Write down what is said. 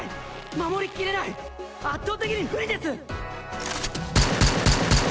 守り切れない圧倒的に不利です！